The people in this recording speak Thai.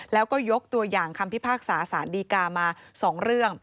แล้วก็ยกตัวอย่างคำพิพากษาสารดีกามา๒เรื่อง